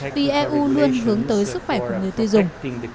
vì eu luôn hướng tới sức khỏe của người tiêu dùng